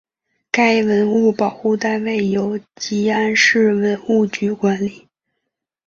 该文物保护单位由集安市文物局管理。